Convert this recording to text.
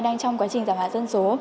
đang trong quá trình giảm hóa dân số